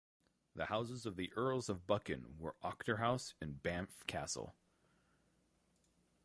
The houses of the Earls of Buchan were Auchterhouse and Banff Castle.